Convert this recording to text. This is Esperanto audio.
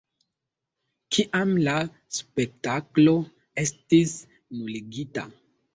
Kiam la spektaklo estis nuligita.